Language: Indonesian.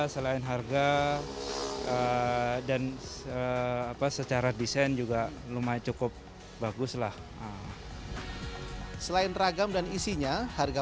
selain harga dan apa secara desain juga lumayan cukup baguslah selain ragam dan isinya harga